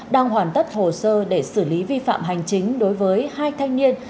đang hoàn tất hồ sơ để xử lý vi phạm hành chính đối với hai thanh niên